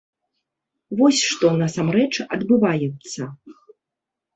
Вось што насамрэч адбываецца.